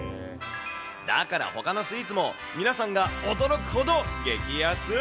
だからほかのスイーツも皆さんが驚くほど激安。